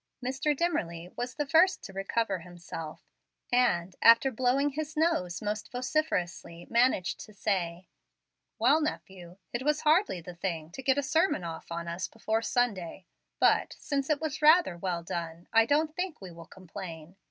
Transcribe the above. Mr. Dimmerly was the first to recover himself, and, after blowing his nose most vociferously, managed to say: "Well, nephew, it was hardly the thing to get a sermon off on us before Sunday, but, since it was rather well done, I don't think we will complain.